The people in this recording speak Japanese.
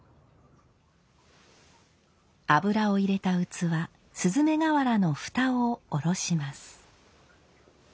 油を入れた器雀瓦の蓋を下ろします。